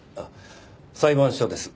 裁判所です。